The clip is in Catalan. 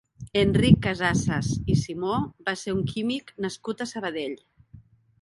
Enric Casassas i Simó va ser un químic nascut a Sabadell.